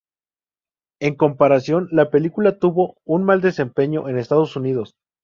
En comparación, la película tuvo un mal desempeño en Estados Unidos.